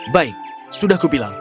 baik sudah kubilang